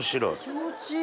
気持ちいい！